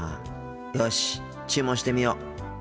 よし注文してみよう。